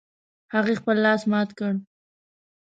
هغې خپل لاس مات کړ